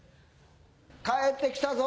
帰ってきたぞ。